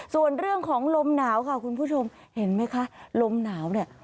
ส่วนเรื่องของลมหนาวค่ะคุณผู้ชมเห็นไหมคะลมหนาวเนี่ย